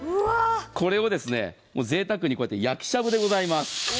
これをぜいたくに焼きしゃぶでございます。